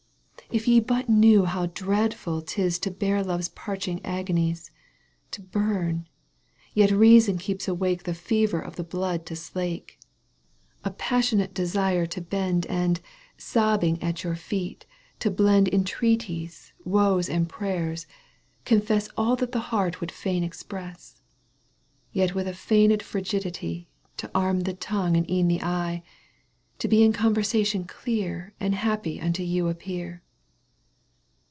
If ye but knew how dreadful 'tis To bear love's parching agonies — To bum, yet reason keep awake The fever of the blood to slake — A passionate desire to bend R Digitized by VjOOQ 1С 242 EUGENE ONEGUINE. canto vni. And, sobbing at your feet, to blend Entreaties, woes and prayers, confess All that the heart would fain express — Yet with a feigned frigidity To arm the tongue and e'en the eye, To be in conversation clear And happy unto you appear.